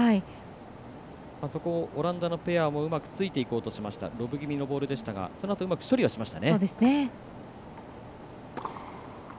そこをオランダのペアもうまくついていこうとしましたロブ気味のボールでしたがうまく処理をしました。